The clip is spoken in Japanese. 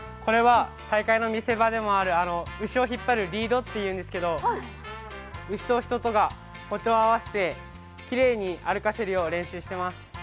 大会の見せ場である牛を引っ張るリードっていうんですけど、牛と人とが歩調を合わせてきれいに歩かせるよう練習しています。